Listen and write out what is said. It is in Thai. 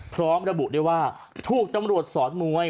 พร้อมระบุได้ว่าถูกตำรวจสอนมวย